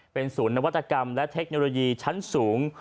เป็นศูนย์นวัตกรรมและเทคโนโลยีชั้นสูง